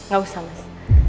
gak usah mas